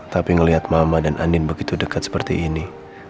tapi ngelihat mama dan anin begitu dekat seperti ini